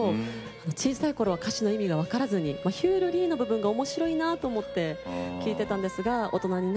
小さいころは歌の意味も分からずに「ヒュルリ」の部分がおもしろいなと思って聴いていました。